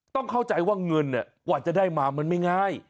ต้องเข้าใจว่าเงินกว่าจะได้มามันไม่ง่าย